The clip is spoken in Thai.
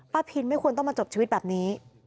พินไม่ควรต้องมาจบชีวิตแบบนี้